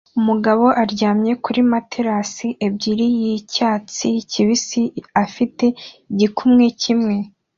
Umugabo aryamye kuri matelas ebyiri yicyatsi kibisi afite igikumwe kimwe